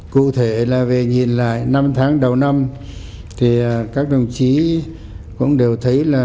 cụ thể là về nhìn lại năm tháng đầu năm thì các đồng chí cũng đều thấy là